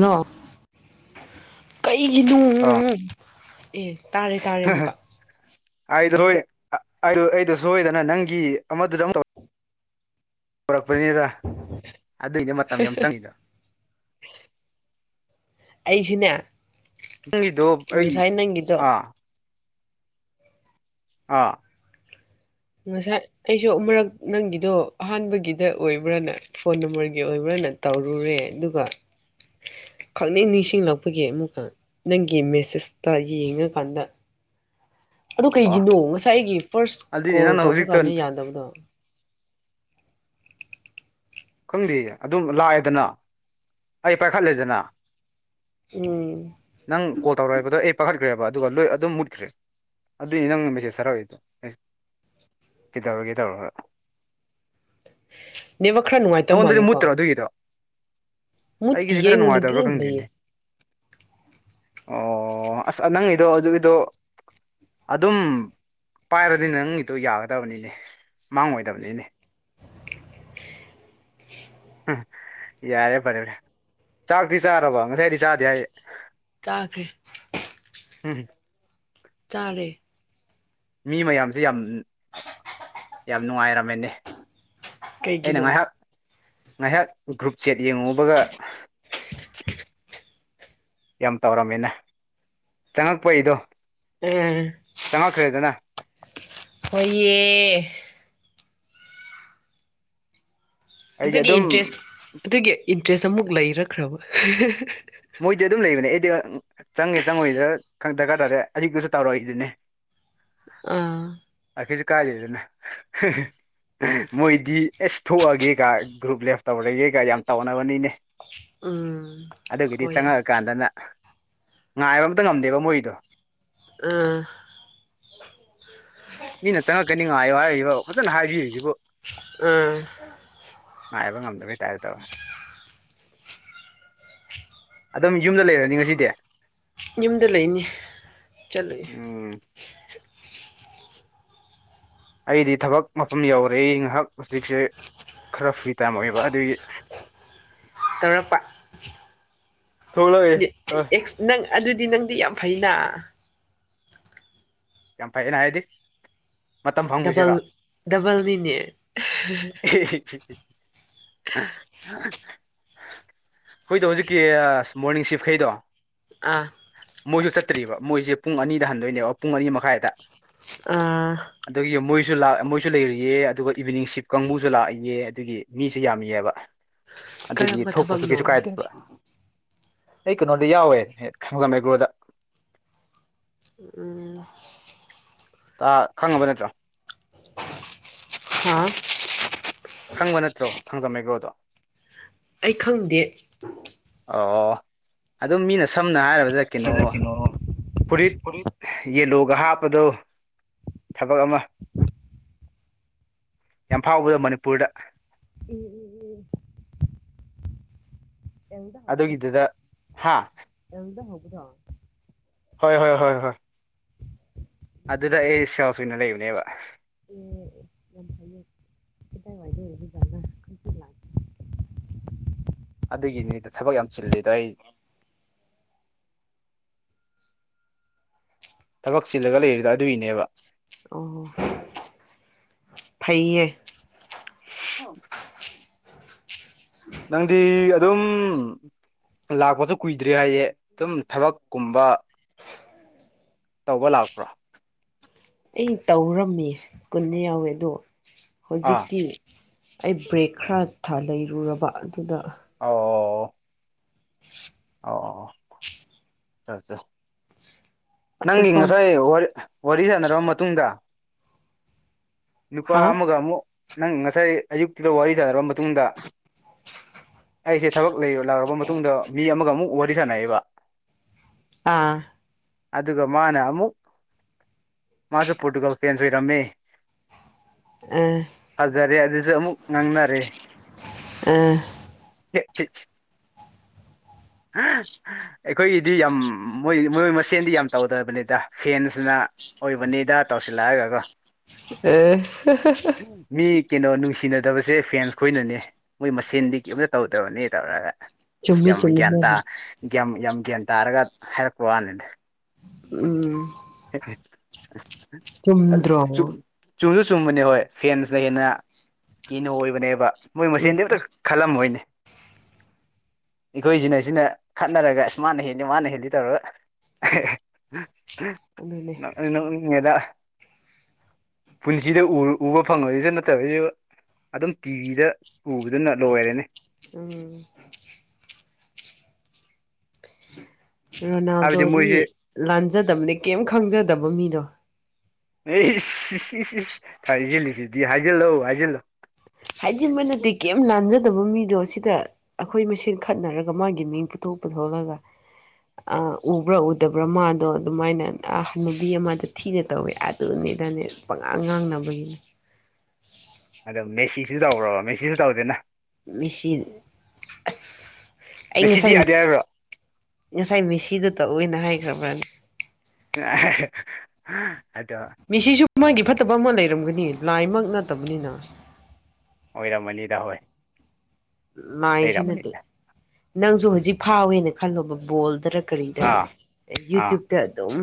ꯅꯣ ꯀꯩꯒꯤꯅꯣ ꯑꯥ ꯑꯦ ꯇꯥꯔꯦ ꯇꯥꯔꯦ ꯑꯃꯨꯛꯀ ꯑꯩꯗꯣ ꯁ ꯑꯩꯗꯣ ꯁꯣꯏꯗꯅ ꯅꯪꯒꯤ ꯑꯃꯗꯨꯗ ꯄꯨꯔꯛꯄꯅꯤꯗ ꯍꯍ ꯑꯩꯁꯤꯅꯦ ꯒꯤꯗꯣ ꯑꯩ ꯉꯁꯥꯏ ꯅꯪꯒꯤꯗꯣ ꯑ ꯑꯥ ꯉꯁꯥꯏ ꯑꯩꯁꯨ ꯑꯃꯛ ꯅꯪꯒꯤꯗꯣ ꯑꯍꯥꯟꯕꯒꯤꯗ ꯑꯣꯏꯕ꯭ꯔꯥꯅ ꯐꯣꯟ ꯅꯝꯕꯔꯒꯤ ꯑꯣꯏꯕ꯭ꯔꯥꯅ ꯇꯧꯔꯨꯔꯦ ꯑꯗꯨꯒ ꯈꯪꯅ ꯅꯤꯡꯁꯤꯡꯂꯛꯄꯒꯤ ꯑꯃꯨꯛꯀ ꯅꯪꯒꯤ ꯃꯦꯁꯦꯁꯇ ꯌꯦꯡꯉꯀꯥꯟꯗ ꯑ ꯑꯥ ꯀꯩꯒꯤꯅꯣ ꯉꯁꯥꯏ ꯑꯩꯒꯤ ꯐꯥꯔꯁ ꯑꯗꯨꯏꯅꯦ ꯀꯣꯜ ꯅꯪꯅ ꯇꯧꯕ ꯍꯧꯖꯤꯛꯇ ꯀꯥꯟꯗ ꯌꯥꯗꯕꯗꯣ ꯈꯪꯗꯦ ꯑꯗꯨꯝ ꯂꯥꯛꯑꯦꯗꯅ ꯑꯩ ꯄꯥꯏꯈꯠꯂꯦꯗꯅ ꯎꯝ ꯅꯪ ꯀꯣꯜ ꯇꯧꯔꯛ [unintelligible] ꯑꯩ ꯄꯥꯈꯠꯈ꯭ꯔꯦꯕ ꯑꯗꯨꯒ ꯂꯣꯏ ꯑꯗꯨꯝ ꯃꯨꯠꯈ꯭ꯔꯦ ꯑꯗꯨꯏ ꯅꯪ ꯃꯦꯁꯦꯖ ꯊꯥꯔꯛꯑꯣꯏꯗꯣ ꯀꯩꯗꯧꯔꯒꯦ ꯇꯧꯔꯒ ꯅꯦꯕ ꯈꯔ ꯅꯨꯡꯉꯥꯏꯇꯕ ꯅꯉꯣꯟꯗꯗꯤ ꯃꯥꯜꯂꯤꯀꯣ ꯃꯨꯠꯇ꯭ꯔꯣ ꯑꯗꯨꯒꯤꯗꯣ ꯃ ꯑꯩꯒꯤꯁꯦ ꯇꯌꯦ ꯈꯔ ꯅꯨꯡꯉꯥꯏꯇꯕ꯭ꯔꯥ [unintelligible] ꯂꯩꯌꯦ ꯈꯪꯗꯦꯅꯦ ꯑꯣ ꯑꯁ ꯅꯪꯒꯤꯗꯣ ꯑꯗꯨꯒꯤꯗꯣ ꯑꯗꯨꯝ ꯄꯥꯏꯔꯗꯤ ꯅꯪꯒꯤꯗꯣ ꯌꯥꯒꯗꯕꯅꯤꯅꯦ ꯃꯥꯡꯉꯣꯏꯗꯕꯅꯤ ꯏꯅꯦ [unintelligible] ꯎ ꯌꯥꯔꯦ ꯐꯔꯦ ꯐꯔꯦ ꯆꯥꯛꯇꯤ ꯆꯥꯔꯕ ꯉꯁꯥꯏ ꯍꯥꯏꯗꯤ ꯆꯥꯗꯦ ꯍꯥꯏ ꯆꯥꯈ꯭ꯔꯦ ꯎꯝꯍꯝ ꯆꯥꯔꯦ꯫ ꯃꯤ ꯃꯌꯥꯝꯁꯦ ꯌꯥꯝ ꯌꯥꯝ ꯌꯥꯝ ꯅꯨꯡꯉꯥꯏꯔꯝꯃꯦꯅꯦ ꯑꯩꯅ ꯀꯩꯒꯤꯅꯣ ꯉꯥꯏꯍꯥꯛ ꯉꯥꯏꯍꯥꯛ ꯒ꯭ꯔꯨꯞ ꯆꯦꯠ ꯌꯦꯡꯉꯨꯕꯒ ꯌꯥꯝ ꯇꯧꯔꯝꯃꯤꯅ ꯆꯪꯉꯛꯄ ꯑꯩꯗꯣ ꯎꯝ꯫ ꯆꯪꯉꯛꯈ꯭ꯔꯦꯗꯅ ꯍꯣꯏꯌꯦ ꯑꯩꯗꯤ ꯑꯗꯨꯒꯤ ꯑꯗꯨꯝ ꯏꯟꯇꯔꯦꯁ ꯑꯗꯨꯒꯤ ꯏꯟꯇꯔꯦꯁ ꯑꯃꯨꯛ ꯂꯩꯔꯛꯈ꯭ꯔꯕ ꯃꯣꯏꯗꯤ ꯑꯗꯨꯝ ꯂꯩꯕꯅꯦ ꯑꯩꯗꯤ ꯆꯪꯉꯦ ꯆꯪꯉꯣꯏꯗ꯭ꯔ ꯗꯔꯀꯥꯔ ꯇꯥꯔꯦ ꯑꯔꯤꯛꯇꯨꯁꯨ ꯇꯧꯔꯣꯏ ꯗꯨꯅꯦ [inaudible] ꯑꯥ [unintelligible] ꯃꯣꯏꯗꯤ ꯑꯦꯁ ꯊꯣꯛꯑꯒꯦ ꯀ ꯒ꯭ꯔꯨꯞ ꯂꯦꯞ ꯇꯧꯔꯒꯦ ꯀꯥ ꯌꯥꯝ ꯇꯧꯅꯕꯅꯤꯅꯦ ꯎꯝ ꯑꯗꯨꯒꯤꯗꯤ ꯍꯣꯏ ꯆꯪꯉꯛꯑꯀꯥꯟꯗꯅ ꯉꯥꯏꯕ ꯑꯝꯇ ꯉꯝꯗꯦꯕ ꯃꯣꯏꯗꯣ ꯎꯝ ꯃꯤꯅ ꯆꯪꯉꯛꯀꯅꯤꯉꯥꯏ ꯍꯥꯏꯔꯤꯕ ꯐꯖꯅ ꯍꯥꯏꯕꯤꯔꯤꯁꯤꯕꯨ ꯎꯝ ꯉꯥꯏꯕ ꯉꯝꯗꯕꯇꯥꯔꯦ ꯇꯧ ꯑꯗꯨꯝ ꯌꯨꯝꯗ ꯂꯩꯔꯅꯤ ꯉꯁꯤꯗꯤ ꯌꯨꯝꯗ ꯂꯩꯅꯤ ꯆꯠꯂꯨꯏ ꯎꯝ ꯑꯩꯗꯤ ꯊꯕꯛ ꯃꯐꯝ ꯌꯧꯔꯦ ꯑꯩ ꯉꯥꯏꯍꯥꯛ ꯍꯧꯖꯤꯛꯁꯦ ꯈꯔ ꯐ꯭ꯔꯤ ꯇꯥꯏꯝ ꯑꯣꯏꯌꯦꯕ ꯑꯗꯨꯒꯤ ꯇꯧꯔꯄ ꯊꯣꯛꯂꯛꯏ ꯍꯣꯏ ꯅꯪ ꯑꯗꯨꯗꯤ ꯅꯪꯗꯤ ꯌꯥꯝ ꯐꯩꯅ ꯌꯥꯝ ꯐꯩꯌꯦꯅ ꯍꯥꯏꯗꯤ ꯃꯇꯝ ꯗꯕꯜ ꯐꯪꯕꯁꯤꯔ ꯗꯕꯜꯅꯤꯅꯦ ꯍꯣꯏꯗꯣ ꯍꯧꯖꯤꯛꯀꯤ ꯃꯣꯔꯅꯤꯡ ꯁꯤꯐꯈꯩꯗꯣ ꯑꯥ ꯃꯣꯏꯁꯨ ꯆꯠꯇ꯭ꯔꯤꯕ ꯃꯣꯏꯁꯦ ꯄꯨꯡ ꯑꯅꯤꯗ ꯍꯟꯗꯣꯏꯅꯦꯕ ꯄꯨꯡ ꯑꯅꯤ ꯃꯈꯥꯏꯗ ꯑꯥ ꯑꯗꯨꯒꯤ ꯃꯣꯏꯁꯨ ꯃꯣꯏꯁꯨ ꯂꯩꯔꯤꯌꯦ ꯑꯗꯨꯒ ꯏꯚꯅꯤꯡ ꯁꯤꯞ ꯀꯥꯡꯕꯨꯁꯨ ꯂꯥꯛꯏꯌꯦ ꯑꯗꯨꯒꯤ ꯃꯤꯁꯨ ꯌꯥꯝꯃꯤꯑꯕ ꯑꯗꯨꯗꯒꯤ ꯀꯔꯝꯕ ꯊꯣꯛꯄꯁꯨ ꯊꯕꯛꯅꯣ ꯀꯩꯁꯨ ꯀꯥꯏꯗꯦꯕ ꯑꯩ ꯀꯩꯅꯣꯗ ꯌꯥꯎꯋꯦ ꯈꯝꯒꯝ ꯃꯦꯒ꯭ꯔꯣꯗ ꯎꯝ ꯈꯪꯉꯕ ꯅꯠꯇ꯭ꯔꯣ ꯍꯥ ꯈꯪꯕ ꯅꯠꯇ꯭ꯔꯣ [unintelligible] ꯃꯑꯦꯒ꯭ꯔꯣꯗꯣ ꯑꯩ ꯈꯪꯗꯦ ꯑꯣ ꯑꯗꯨꯝ ꯃꯤꯅ ꯁꯝꯅ ꯍꯥꯏꯔꯕꯗ ꯀꯩꯅꯣ ꯐꯨꯔꯤꯠ ꯌꯦꯂꯣꯒ ꯍꯥꯞꯄꯗꯣ ꯊꯕꯛ ꯑꯃ ꯌꯥꯝ ꯐꯥꯎꯕꯗ ꯃꯅꯤꯄꯨꯔꯗ ꯎꯝ ꯌꯦꯡꯗ ꯍꯧꯕꯗꯣ ꯑꯗꯨꯒꯤꯗꯨꯗ ꯍꯥ ꯌꯦꯉꯗ ꯍꯧꯕꯗꯣ ꯍꯣꯏ ꯍꯣꯏ ꯍꯣꯏ ꯑꯗꯨꯗ ꯑꯩ ꯁꯣꯁ ꯑꯣꯏꯅ ꯂꯩꯕꯅꯦꯕ ꯌꯥꯝ ꯐꯩꯌꯦ ꯀꯗꯥꯏꯋꯥꯏꯗ ꯑꯣꯏꯕꯖꯥꯠꯂ ꯑꯗꯨꯒꯤꯅꯤꯗ ꯊꯕꯛ ꯌꯥꯝ ꯆꯤꯜꯂꯤꯗꯣ ꯑꯩ ꯊꯕꯛ ꯆꯤꯜꯂꯒ ꯂꯩꯔꯤꯗꯣ ꯑꯗꯨꯏꯅꯦꯕ ꯑꯣ ꯐꯩꯌꯦ ꯅꯪꯗꯤ ꯑꯗꯨꯝ ꯂꯥꯛꯄꯁꯨ ꯀꯨꯏꯗ꯭ꯔꯦ ꯍꯥꯏꯌꯦ ꯑꯗꯨꯝ ꯊꯕꯛ ꯀꯨꯝꯕ ꯇꯧꯕ ꯂꯥꯛꯄ꯭ꯔꯣ ꯑꯩ ꯇꯧꯔꯝꯃꯤ ꯁ꯭ꯀꯨꯜꯗ ꯌꯥꯎꯋꯦ ꯑꯗꯣ ꯑꯥ ꯍꯧꯖꯤꯛꯇꯤ ꯑꯩ ꯕ꯭ꯔꯦꯛ ꯈꯔ ꯂꯩꯔꯨꯔꯕ ꯑꯗꯨꯗ ꯑꯧ [unintelligible] ꯑꯧ ꯑꯠ ꯅꯪꯒꯤ ꯑꯇꯣꯞꯄ ꯉꯁꯥꯏ ꯋꯥꯔꯤ ꯋꯥꯔꯤ ꯁꯥꯟꯅꯔꯕ ꯃꯇꯨꯡꯗ ꯅꯨꯄꯥ ꯍꯥ ꯑꯃꯒ ꯑꯃꯨꯛ ꯅꯪ ꯉꯁꯥꯏ ꯑꯌꯨꯛꯇꯨꯗ ꯋꯥꯔꯤ ꯁꯥꯅꯔꯕ ꯃꯇꯨꯡꯗ ꯑꯩꯁꯦ ꯊꯕꯛ ꯂꯥꯛꯔꯕ ꯃꯇꯨꯡꯗ ꯃꯤ ꯑꯃꯒ ꯑꯃꯨꯛ ꯋꯥꯔꯤ ꯁꯥꯟꯅꯩꯑꯕ ꯑꯥ ꯑꯗꯨꯒ ꯃꯥꯅ ꯑꯃꯨꯛ ꯃꯥꯁꯨ ꯄꯣꯇꯨꯒ ꯐꯦꯟꯖ ꯑꯣꯏꯔꯝꯃꯦ ꯑ ꯐꯖꯔꯦ ꯑꯗꯨꯁꯨ ꯑꯃꯨꯛ ꯉꯥꯡꯅꯔꯦ ꯑꯥ ꯑꯩꯈꯣꯏꯒꯤꯗꯤ ꯌꯥꯝ ꯃꯣꯏ ꯃꯣꯏ ꯃꯁꯦꯟꯗꯤ ꯌꯥꯝ ꯇꯧꯗꯕꯅꯤꯗ ꯐꯦꯟꯁꯤꯅ ꯑꯣꯏꯕꯅꯤꯗ ꯇꯧꯁꯤꯜꯂꯑꯒ ꯀꯣ ꯑꯦ ꯃꯤ ꯀꯩꯅꯣ ꯅꯨꯡꯁꯤꯅꯗꯕꯁꯦ ꯐꯦꯟꯁ ꯈꯣꯏꯅꯅꯦ ꯃꯣꯏ ꯃꯁꯦꯟꯗꯤ ꯀꯔꯤꯝꯇ ꯇꯧꯗꯕꯅꯦ ꯇꯧꯔꯒ ꯑꯁ ꯆꯨꯝꯃꯤ ꯌꯥꯝ ꯒ꯭ꯌꯥꯟ ꯇꯥ ꯆꯨꯝꯃꯤ ꯌꯥꯝ ꯒ꯭ꯌꯥꯟ ꯇꯥꯔꯒ ꯍꯥꯏꯔꯛꯄ ꯋꯥꯅꯤꯗ ꯎꯝ ꯍ [unintelligible] ꯁꯨꯝꯗ꯭ꯔꯕ ꯆꯨꯝꯁꯨ ꯆꯨꯝꯕꯅꯦ ꯍꯣꯏ ꯐꯦꯟꯁꯤꯅ ꯍꯦꯟꯅ ꯀꯤꯩꯅꯣ ꯑꯣꯏꯕꯅꯦꯕ ꯃꯣꯏ ꯎꯝ ꯃꯁꯦꯟꯗꯤ ꯑꯝꯇ ꯈꯜꯂꯝꯃꯣꯏꯅꯦ ꯑꯩꯈꯣꯏꯁꯤꯅ ꯁꯤꯅ ꯈꯠꯅꯔꯒ ꯑꯁ ꯃꯥꯅ ꯍꯦꯜꯂꯤ ꯃꯥꯅ ꯍꯦꯜꯂꯤ ꯇꯧꯔꯒ [unintelligible] ꯑꯗꯨꯅꯦ ꯅꯣꯛꯅꯤꯉꯦꯗ ꯄꯨꯟꯁꯤꯗ ꯎꯕ ꯐꯪꯉꯣꯏꯁꯨ ꯅꯠꯇꯕꯁꯤꯕꯨ ꯑꯗꯨꯝ ꯇꯤꯚꯤꯗ ꯄꯨꯕꯗꯨꯅ ꯂꯣꯏꯔꯦꯅꯦ ꯎꯝ ꯔꯣꯅꯥꯜꯗꯣ ꯍꯥꯏꯕꯗꯤ ꯃꯤ ꯃꯣꯏꯁꯦ ꯂꯥꯟꯖꯗꯕꯅꯦ ꯀꯩꯝ ꯈꯪꯖꯗꯕ ꯃꯤꯗꯣ ꯅ ꯊꯥꯔꯤꯁꯤꯜꯂꯤꯁꯤꯗꯤ ꯍꯥꯏꯖꯤꯜꯂꯣꯑꯣ ꯍꯥꯏꯖꯤꯜꯂꯑꯣ ꯍꯥꯏꯗꯤꯕ ꯅꯠꯇꯦ ꯀꯩꯝ ꯂꯥꯟꯖꯗꯕ ꯃꯤꯗꯣ ꯁꯤꯗ ꯑꯩꯈꯣꯏ ꯃꯁꯦꯟ ꯈꯠꯅꯔꯒ ꯃꯥꯒꯤ ꯃꯤꯡ ꯄꯨꯊꯣꯛ ꯄꯨꯊꯣꯛꯂꯒ ꯎꯕ꯭ꯔꯥ ꯎꯗꯕ꯭ꯔꯥ ꯃꯥꯗꯣ ꯑꯗꯨꯃꯥꯏꯅ ꯅꯨꯕꯤ ꯑꯃꯗ ꯊꯤꯅ ꯇꯧꯋꯦ ꯑꯗꯨꯅꯤꯗꯅꯦ ꯄꯉꯥꯡ ꯉꯥꯡꯅꯕꯒꯤꯅꯤ ꯑꯗꯣ ꯃꯦꯁꯤꯁꯨ ꯇꯧꯈ꯭ꯔꯣ ꯃꯦꯁꯤꯁꯨ ꯇꯧꯗꯦꯅ ꯃꯤꯁꯤ ꯑꯁ ꯑꯩ ꯃꯦꯁꯤꯗꯤ ꯉꯁꯥꯏ ꯌꯥꯗꯦ ꯍꯥꯏꯕ꯭ꯔꯣ ꯉꯁꯥꯏ ꯃꯤꯁꯤꯗꯨ ꯇꯧꯑꯣꯏꯅ ꯍꯥꯏꯈ꯭ꯔꯕ꯭ꯔꯅꯤ꯫ ꯑꯗꯣ꯫ ꯃꯤꯁꯤꯁꯨ ꯃꯥꯒꯤ ꯐꯠꯇꯕ ꯑꯃ ꯂꯩꯔꯝꯒꯅꯤ ꯂꯥꯏꯃꯛ ꯅꯠꯇꯕꯅꯤꯅ ꯑꯣꯏꯔꯝꯃꯅꯤꯗ ꯍꯣꯏ ꯃꯥꯏꯁꯤ ꯅꯠꯇꯦ ꯂꯩꯔꯝꯃꯅꯤꯗ ꯅꯪꯁꯨ ꯍꯧꯖꯤꯛ ꯐꯥꯎꯋꯦꯅ ꯈꯜꯂꯣꯕ ꯕꯣꯜꯗꯔ ꯀꯔꯤꯗ ꯑꯥ ꯑꯥ ꯌꯨꯇ꯭ꯌꯨꯕ ꯗ ꯑꯗꯨꯝ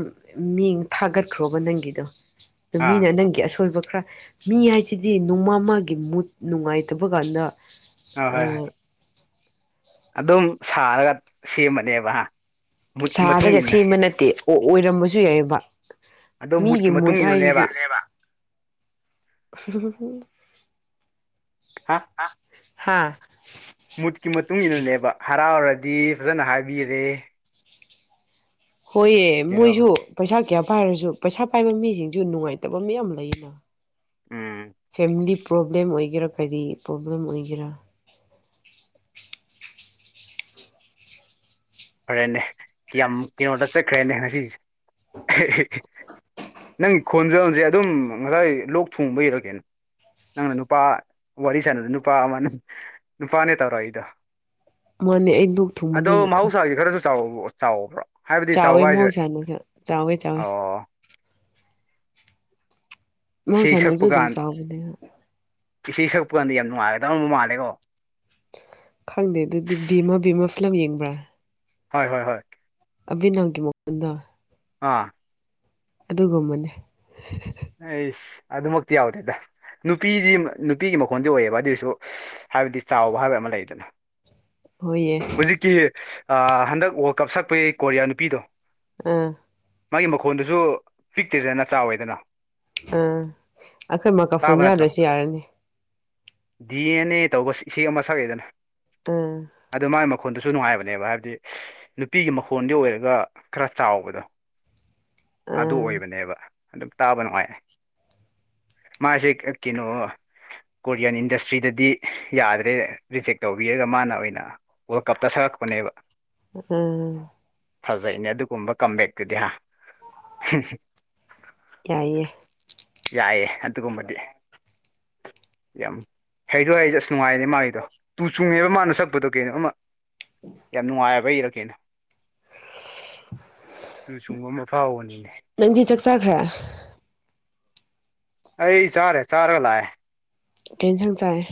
ꯃꯤ ꯊꯥꯒꯠꯈ꯭ꯔꯣꯕ ꯅꯪꯒꯤꯗꯣ ꯑꯗꯨ ꯑꯥ ꯃꯤꯅ ꯅꯪꯒꯤ ꯑꯁꯣꯏꯕ ꯈꯔ ꯃꯤ ꯍꯥꯏꯁꯤꯗꯤ ꯅꯣꯡꯃꯃꯒꯤ ꯃꯨꯠ ꯅꯨꯡꯉꯥꯏꯇꯕ ꯀꯥꯟꯗ ꯑꯣꯏ ꯍꯣꯏ ꯍꯣꯏ ꯑꯗꯨꯝ ꯁꯥꯔꯒ ꯁꯦꯝꯕꯅꯦꯕ ꯍꯥ ꯁꯥꯔꯒ ꯁꯦꯝꯕ ꯅꯠꯇꯦ ꯑꯣ ꯑꯣꯏꯔꯝꯕꯁꯨ ꯌꯥꯏꯑꯕ ꯑꯗꯣ ꯃꯤꯒꯤ ꯃꯨꯠꯀꯤ ꯃꯇꯨꯡ ꯃꯨꯠ ꯏꯟꯅꯅꯦꯕ ꯍꯥꯏꯦꯕ [inaudible] ꯍꯥ ꯃꯨꯠꯀꯤ ꯃꯇꯨꯡ ꯏꯟꯅꯅꯦꯕ ꯍꯔꯥꯎꯔꯗꯤ ꯐꯖꯅ ꯍꯥꯏꯕꯤꯔꯦ ꯍꯣꯏꯑ ꯀꯩꯅꯣ ꯃꯣꯏꯁꯨ ꯄꯩꯁꯥ ꯀꯌꯥ ꯄꯥꯏꯔꯁꯨ ꯄꯩꯁꯥ ꯄꯥꯏꯕ ꯃꯤꯁꯤꯡꯁꯨ ꯅꯨꯡꯉꯥꯏꯇꯕ ꯃꯌꯥꯝ ꯂꯩꯅ ꯎꯝ ꯐꯦꯃꯤꯂꯤ ꯄ꯭ꯔꯣꯕ꯭ꯂꯦꯝ ꯑꯣꯏꯒꯦꯔꯥ ꯀꯔꯤ ꯄ꯭ꯔꯣꯕ꯭ꯂꯦꯝ ꯑꯣꯏꯒꯦꯔꯥ ꯐꯔꯦꯅꯦꯌꯥꯝ ꯀꯩꯅꯣꯗ ꯆꯠꯈ꯭ꯔꯦꯅꯦ ꯉꯁꯤꯁꯦ ꯅꯪꯒꯤ ꯈꯣꯟꯖꯦꯜꯁꯦ ꯑꯗꯨꯝ ꯉꯁꯥꯏ ꯂꯣꯛ ꯊꯨꯡꯕ ꯏꯔꯛꯒꯦꯅ ꯅꯪꯅ ꯅꯨꯄꯥ ꯋꯥꯔꯤ ꯁꯥꯟꯅꯗ ꯅꯨꯄꯥ ꯑꯃꯅ ꯅꯨꯄꯥꯅꯦ ꯇꯧꯔ ꯑꯩꯗꯣ ꯃꯥꯅꯦ ꯑꯩ ꯣꯛ ꯊꯨꯡꯕꯗꯅꯣ ꯑꯩꯁ ꯈꯔꯁꯨ ꯆꯥꯎ ꯆꯥꯎꯕ꯭ꯔꯣ ꯍꯥꯏꯕꯗꯤ ꯆꯥꯎꯋꯦ ꯆꯥꯎꯕ ꯍꯥꯏꯁꯦ ꯃꯍꯧꯁꯥꯅꯁꯨ ꯆꯥꯎꯋꯦ ꯆꯥꯎꯋꯦ ꯑꯣ ꯏꯁꯩ ꯃꯧꯁꯥꯅꯁꯨ ꯁꯛꯄ ꯑꯗꯨꯗꯝꯝ ꯀꯥꯟ ꯁꯥꯥꯎꯕ ꯏꯁꯩ ꯁꯛꯄ ꯀꯥꯟꯗ ꯌꯥꯝ ꯅꯨꯡꯉꯥꯏꯒꯗ ꯇꯧꯔꯅꯕ ꯃꯥꯜꯂꯦꯀꯣ ꯈꯪꯗꯦ ꯑꯗꯨꯗꯤ ꯕꯦꯝꯃꯥ ꯕꯦꯃꯥ ꯐꯤꯂꯝ ꯌꯦꯡꯕ꯭ꯔꯥ ꯍꯣꯏ ꯍꯣꯏ ꯍꯣꯏ ꯑꯕꯤ ꯅꯪꯒꯤ ꯃꯗ ꯑꯥ ꯑꯗꯨꯒꯨꯝꯕꯅꯤ ꯏ ꯑꯗꯨ ꯃꯛꯇ ꯌꯥꯎꯗꯦꯗ ꯅꯨꯄꯤꯗꯤ ꯅꯨꯄꯤꯒꯤ ꯃꯈꯣꯟꯗꯤ ꯑꯣꯏꯌꯦꯕ ꯑꯗꯨꯏꯁꯨ ꯍꯥꯏꯕꯗꯤ ꯆꯥꯎꯕ ꯍꯥꯏꯕ ꯑꯃ ꯂꯩꯗꯅ ꯍꯣꯏꯌꯦ ꯍꯧꯖꯤꯛꯀꯤ ꯍꯟꯗꯛ ꯋꯥꯔꯜ ꯀꯞ ꯁꯛꯄꯒꯤ ꯀꯣꯔꯤꯌꯥ ꯅꯨꯄꯤꯗꯣ ꯑꯥ ꯃꯥꯒꯤ ꯃꯈꯣꯟꯜꯗꯨꯁꯨ ꯄꯤꯛꯇꯦꯗꯅ ꯆꯥꯎꯋꯦꯗꯅ ꯑꯥ ꯑꯩꯈꯣꯏ ꯃ ꯀꯥ ꯐꯣꯟ ꯇꯥꯕ ꯅꯠꯇ꯭ꯔꯣ ꯌꯥꯗ꯭ꯔꯁꯨ ꯌꯥꯔꯅꯤ ꯗꯤ ꯑꯦꯟ ꯑꯦ ꯇꯧꯕ ꯏꯁꯩ ꯑꯃ ꯁꯛꯗꯅ ꯎꯝ ꯑꯗꯣ ꯃꯥꯒꯤ ꯃꯈꯣꯟꯗꯨꯁꯨ ꯅꯨꯡꯉꯥꯏꯕꯅꯦꯕ ꯍꯥꯏꯕꯗꯤ ꯅꯨꯄꯤꯒꯤ ꯃꯈꯣꯟꯗꯤ ꯑꯣꯏꯔꯒ ꯈꯔ ꯆꯥꯎꯕꯗꯣ ꯑꯗꯨ ꯑꯥ ꯑꯣꯏꯕꯅꯦꯕ ꯑꯗꯨ ꯇꯥꯕ ꯅꯨꯡꯉꯥꯏ ꯃꯥꯁꯦ ꯀꯩꯅꯣ ꯀꯣꯔꯤꯌꯥꯟ ꯏꯟꯗꯁꯇ꯭ꯔꯤꯗꯗꯤ ꯌꯥꯗ꯭ꯔꯦ ꯔꯤꯖꯦꯛ ꯇꯧꯕꯤꯔꯒ ꯃꯥꯅ ꯑꯣꯏꯅ ꯑꯣ ꯀꯞꯇ ꯁꯛꯔꯛꯄꯅꯦꯕ ꯎꯝ ꯐꯖꯩꯅꯦ ꯑꯗꯨꯒꯨꯝꯕ ꯀꯝꯝꯕꯦꯛꯇꯨꯗꯤ ꯍꯥ ꯌꯥꯏꯌꯦꯦ ꯌꯥꯏꯌꯦꯦ ꯑꯗꯨꯒꯨꯝꯕꯗꯤ ꯌꯥꯝ ꯍꯩꯔꯣꯏ ꯍ ꯑꯁ ꯅꯨꯡꯉꯥꯏꯅꯦ ꯃꯥꯒꯤꯗꯣ ꯇꯨ ꯆꯨꯡꯉꯦꯕ ꯃꯥꯅ ꯁꯛꯄꯗꯨ ꯀꯩꯅꯣ ꯑꯃ ꯌꯥꯝ ꯅꯨꯡꯉꯥꯏꯕ ꯏꯔꯛꯀꯦꯅꯣ ꯑꯗꯨꯨ ꯁꯨꯡꯕ ꯑꯃ ꯐꯥꯎꯕꯅꯤꯅꯦ ꯅꯪꯗꯤ ꯆꯥꯛ ꯆꯈ꯭ꯔꯦ ꯑꯩ ꯆꯥꯔꯦ ꯆꯥꯔ ꯂꯥꯛꯑꯦ ꯀ ꯀꯦꯟꯁꯪ ꯆꯥꯏꯦ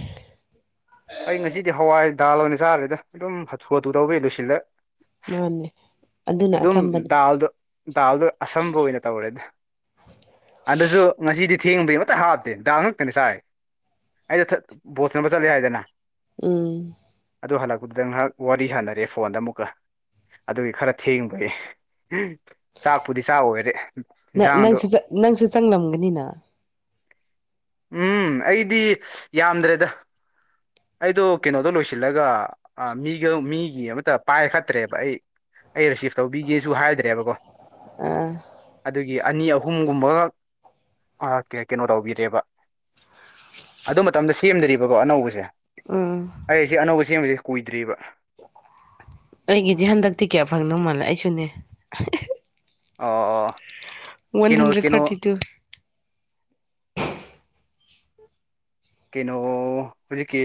ꯑꯩ ꯉꯁꯤꯗꯤ ꯍꯋꯥꯏ ꯗꯥꯜ ꯑꯣꯏꯅ ꯆꯥꯔꯦꯗ ꯑꯗꯨꯝ ꯍꯥꯊꯨ ꯍꯥꯊꯨ ꯇꯧꯕ ꯌꯥ ꯂꯨꯁꯤꯜꯂꯦ ꯃꯥꯅꯦ ꯑꯗꯨꯅ ꯑꯗꯨꯝ ꯑꯁꯝꯕꯅꯦ ꯗꯥꯎꯗꯣ ꯇꯗꯣ ꯑꯁꯝꯕ ꯑꯣꯏꯅ ꯇꯧꯔꯦꯗ ꯑꯗꯨꯁꯨ ꯉꯁꯤꯗꯤ ꯊꯦꯡꯕꯩ ꯑꯃꯠꯇ ꯍꯥꯞꯇꯦ ꯗꯥꯡ ꯉꯛꯇꯅꯤ ꯁꯥꯏ ꯑꯩꯁꯨ ꯕꯣꯠꯁꯅꯕ ꯆꯠꯂꯦ ꯍꯥꯏꯗꯅ ꯎꯝ ꯑꯗꯨ ꯍꯜꯂꯛꯄꯗꯨꯗ ꯉꯥꯏꯍꯥꯛ ꯋꯥꯔꯤ ꯁꯥꯟꯅꯔꯑꯦ ꯐꯣꯟꯗ ꯑꯃꯨꯛꯀ ꯑꯗꯨꯒꯤ ꯈꯔ ꯊꯦꯡꯕꯒꯤ ꯎ ꯆꯥꯛꯄꯨꯗꯤ ꯆꯥꯛ ꯑꯣꯏꯔꯦ ꯏꯟꯁꯥꯡꯗꯣ ꯅꯪꯁꯨ ꯅꯪꯁꯨ ꯆꯪꯂꯝꯒꯅꯤꯅ ꯎꯝ ꯑꯩꯗꯤ ꯌꯥꯝꯗ꯭ꯔꯦꯗ ꯑꯩꯗꯣ ꯀꯩꯅꯣꯗꯣ ꯂꯣꯏꯁꯤꯜꯂꯒ ꯃꯤꯒ ꯃꯤꯒꯤ ꯑꯃꯇ ꯄꯥꯏꯈꯠꯇ꯭ꯔꯦꯕ ꯑꯩ ꯑꯩ ꯔꯤꯁꯤꯞ ꯇꯧꯕꯤꯒꯦꯁꯨ ꯍꯥꯏꯗ꯭ꯔꯦꯕꯀꯣ ꯑꯥ ꯑꯗꯨꯒꯤ ꯑꯅꯤ ꯑꯍꯨꯝꯒꯨꯝꯕ ꯀꯩꯅꯣ ꯇꯧꯕꯤꯔꯦꯕ ꯑꯗꯨ ꯃꯇꯝꯗ ꯁꯦꯝꯗ꯭ꯔꯤꯕꯀꯣ ꯑꯅꯧꯕꯁꯦ ꯎꯝ ꯑꯩ ꯑꯩꯁꯤꯦ ꯑꯅꯧꯕ ꯆꯦꯡꯕꯕꯁꯤ ꯀꯨꯏꯗ꯭ꯔꯤꯕ ꯑꯩꯒꯤꯗꯤ ꯍꯟꯗꯛꯇꯤ ꯀꯌꯥ ꯐꯪꯗꯧ ꯃꯥꯜꯂꯦ ꯑꯩꯁꯨꯅꯦ ꯑꯣ ꯑꯣ ꯋꯥꯟ ꯀꯩꯅꯣ ꯍꯟꯗ꯭ꯔꯦꯠ ꯀꯩꯅꯣ ꯊꯥꯔꯇꯤ ꯇꯨ ꯀꯩꯅꯣ ꯍꯧꯖꯤꯛꯀꯤ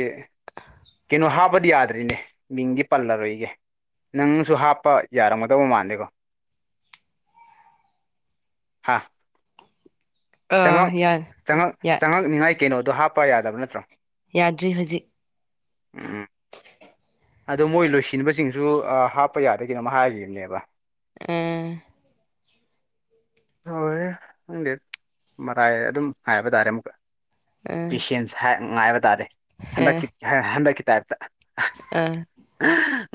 ꯀꯩꯅꯣ ꯍꯥꯞꯕꯗꯤ ꯌꯥꯗ꯭ꯔꯤꯅꯦ ꯃꯤꯡꯗꯤ ꯄꯜꯂꯔꯣꯏꯒꯦ ꯅꯪꯁꯨ ꯍꯥꯞꯄ ꯌꯥꯔꯝꯒꯗꯧꯕ ꯃꯥꯜꯂꯦꯀꯣ ꯍꯥꯥ ꯑꯥ ꯌꯥꯔꯦ ꯆꯪꯉꯛꯪꯉꯛ ꯌꯥ ꯆꯪꯉꯛꯅꯤꯉꯥꯏ ꯀꯩꯅꯣꯗꯣ ꯍꯥꯞꯄ ꯌꯥꯗꯕ ꯅꯠꯇ꯭ꯔꯣ ꯌꯥꯗ꯭ꯔꯤ ꯍꯧꯖꯤꯛ ꯎꯝ ꯎꯝ ꯑꯗꯣ ꯃꯣꯏ ꯂꯣꯏꯁꯤꯟꯕꯁꯤꯡ ꯨ ꯍꯥꯞꯄ ꯌꯥꯗ ꯀꯅꯣꯝ ꯍꯥꯏꯔꯤꯕꯅꯦꯕ ꯑ ꯍꯣꯏ ꯅꯪꯗꯤꯦ ꯃꯔꯥꯏ ꯑꯗꯨꯝ ꯍꯥꯏꯕ ꯇꯥꯔꯦ ꯑꯃꯨꯛꯀ ꯑꯥ ꯄꯦꯁꯦꯟꯁ ꯉꯥꯏꯕ ꯇꯥꯔꯦ ꯑꯥ ꯍꯟꯗꯛꯀꯤ ꯍꯟꯗꯛꯀꯤ ꯇꯥꯏꯞꯇ ꯑꯥ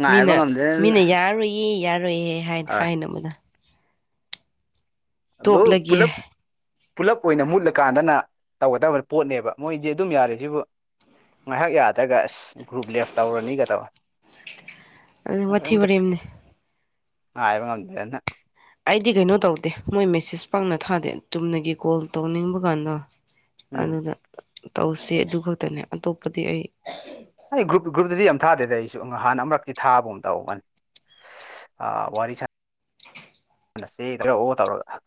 ꯉꯥꯏꯕ ꯃꯤꯅ ꯉꯝꯗ꯭ꯔꯦꯅ ꯃꯤꯅ ꯌꯥꯔꯣꯏꯌꯦ ꯌꯥꯔꯣꯏꯌꯦ ꯍꯥꯏ ꯍꯣꯏ ꯍꯥꯏꯅꯕꯗ ꯍꯜꯂꯣ ꯇꯣꯛꯂꯒꯦ ꯄꯨꯂꯞ ꯄꯨꯂꯞ ꯑꯣꯏꯅ ꯃꯨꯠꯂꯀꯥꯟꯗꯅ ꯇꯧꯒꯗꯕ ꯄꯣꯠꯅꯦꯕ ꯃꯣꯏꯗꯤ ꯑꯗꯨꯝ ꯌꯥꯔꯤꯦꯁꯤꯕꯨ ꯉꯥꯏꯍꯥꯛ ꯌꯥꯗ꯭ꯔꯒ ꯑꯁ ꯒ꯭ꯔꯨꯞ ꯂꯦꯞ ꯇꯧꯔꯅꯤꯒ ꯇꯧꯕ ꯋꯥꯊꯤ ꯋꯥꯔꯦꯝꯅꯤ ꯏꯕꯪꯅ ꯑꯩꯗꯤ ꯀꯩꯅꯣ ꯇꯧꯗꯦ ꯃꯣꯏ ꯃꯦꯁꯦꯖ ꯄꯪꯅ ꯊꯥꯗꯦ ꯆꯨꯝꯅꯒꯤ ꯀꯣꯜ ꯇꯧꯅꯤꯡꯕ ꯀꯥꯟꯗꯣ ꯎꯝ ꯑꯗꯨꯗ ꯇꯧꯁꯤ ꯑꯗꯨ ꯈꯛꯇꯅꯦ ꯑꯇꯣꯞꯄꯗꯤ ꯑꯩ ꯑꯩ ꯒ꯭ꯔꯨꯞ ꯒ꯭ꯔꯨꯞꯇꯗꯤ ꯌꯥꯝ ꯊꯥꯗꯦꯗ ꯑꯩꯁꯨ ꯍꯥꯟꯅ ꯑꯃꯨꯔꯛꯇꯤ ꯊꯥꯕ ꯑꯃ ꯇꯧꯒꯅꯤ ꯑ ꯋꯥꯔꯤ ꯁꯦꯗ꯭ꯔ ꯑꯣ ꯇꯧꯔꯒ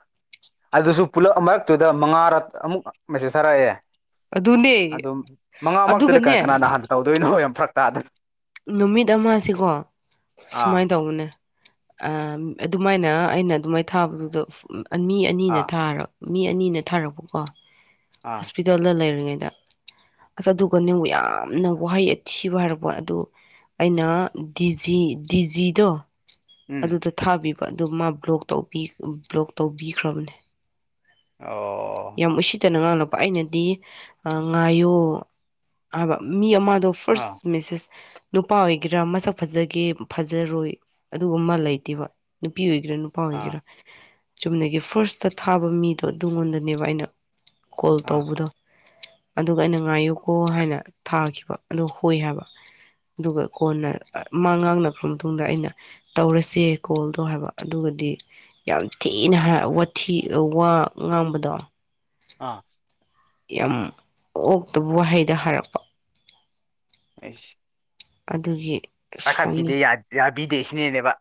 ꯑꯗꯨꯁꯨ ꯄꯨꯂꯞ ꯃꯔꯛꯇꯨꯗ ꯃꯉꯥꯔ ꯑꯃꯨꯛ ꯃꯦꯁꯦꯖ ꯊꯥꯔꯛꯑꯦ ꯑꯗꯨꯅꯦ ꯑꯗꯨ ꯃꯉꯥꯃꯛꯇꯗꯤ ꯀ ꯑꯗꯨꯒꯅꯦ ꯀꯅꯥꯅ ꯍꯥꯟꯅ ꯇꯧꯗꯣꯏꯅꯣ ꯌꯥꯝ ꯐꯔꯛ ꯇꯥꯗꯅ ꯅꯨꯃꯤꯠ ꯑꯃꯁꯤꯀꯣ ꯑꯥ ꯁꯨꯃꯥꯏꯅ ꯇꯧꯕꯅꯦ ꯑꯗꯨꯃꯥꯏꯅ ꯑꯩꯅ ꯑꯗꯨꯃꯥꯏꯅ ꯊꯥꯕꯗꯨꯗ ꯃꯤ ꯑꯅꯤꯅ ꯑꯥ ꯊꯥꯔ ꯃꯤ ꯑꯅꯤꯅ ꯊꯥꯔꯛꯄꯀꯣ ꯑꯥ ꯍꯣꯁꯄꯤꯇꯥꯜꯗ ꯂꯩꯔꯤꯉꯩꯗ ꯑꯁ ꯑꯗꯨꯒ ꯅꯕꯨꯛ ꯌꯥꯝꯅ ꯋꯥꯍꯩ ꯑꯊꯤꯕ ꯍꯥꯏꯔꯄꯣ ꯑꯗꯨ ꯑꯩꯅ ꯗꯤꯖꯤ ꯗꯤꯖꯤꯗꯣ ꯎꯝ ꯑꯗꯨꯗ ꯊꯥꯕꯤꯕ ꯑꯗꯨ ꯃꯥ ꯕ꯭ꯂꯣꯛ ꯕ꯭ꯂꯣꯛ ꯇꯧꯕꯤꯈ꯭ꯔꯕꯅꯦ ꯑꯣ ꯌꯥꯝ ꯏꯁꯤꯤ ꯇꯅꯉꯅ ꯑꯩꯅꯗꯤ ꯉꯥꯏꯌꯣ ꯍꯥꯏꯕ ꯃꯤ ꯑꯃꯗꯣ ꯐꯥꯔꯁ ꯑꯥ ꯃꯤꯦꯁꯦꯁ ꯅꯨꯄꯥ ꯑꯣꯏꯒꯦꯔꯥ ꯃꯁꯛ ꯐꯖꯒꯦ ꯐꯖꯔꯣꯏ ꯑꯗꯨꯒꯨꯝ ꯑꯃ ꯂꯩꯇꯦꯕ ꯅꯨꯄꯤ ꯑꯣꯏꯒꯦꯔꯥ ꯅꯨꯄꯥ ꯑꯥ ꯑꯣꯏꯒꯦꯔꯥ ꯆꯨꯝꯅꯒꯤ ꯐꯥꯔꯁꯇ ꯊꯥꯕ ꯃꯤꯗꯣ ꯑꯗꯨꯉꯣꯟꯗꯅꯦꯕ ꯑꯩꯅ ꯀꯣꯜ ꯑꯥ ꯇꯧꯕꯗꯣ ꯑꯗꯨꯒ ꯑꯩꯅ ꯉꯥꯏꯌꯨꯀꯣ ꯍꯥꯏꯅ ꯊꯥꯈꯤꯕ ꯑꯗꯨ ꯍꯣꯏ ꯍꯥꯏꯕ ꯑꯗꯨꯒ ꯀꯣꯟꯅ ꯃ ꯉꯥꯡꯅꯈ꯭ꯔ ꯃꯇꯨꯡꯗ ꯑꯩꯅ ꯇꯧꯔꯁꯦ ꯀꯣꯜꯗꯣ ꯍꯥꯏꯕ ꯑꯗꯨꯒꯗꯤ ꯌꯥꯝ ꯊꯤꯅ ꯍꯥ ꯋꯥꯊꯤ ꯋꯥ ꯉꯥꯡꯕꯗꯣ ꯑꯥ ꯌꯥꯝ ꯑꯣꯛꯇꯕ ꯋꯥꯍꯩꯗ ꯍꯥꯏꯔꯛꯄ ꯑꯩꯁ ꯑꯗꯨꯒꯤ ꯁꯥꯎꯅꯤꯡ ꯄꯈꯠꯄꯤꯗꯦ ꯌꯥꯕꯤꯗꯦ ꯁꯤꯅꯦꯅꯦꯕ